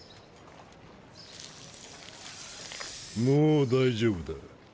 もう大丈夫だ。